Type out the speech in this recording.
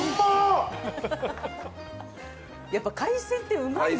やっぱ海鮮ってうまいな。